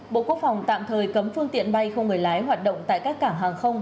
bộ quốc phòng tạm thời cấm phương tiện bay không người lái hoạt động tại các cảng hàng không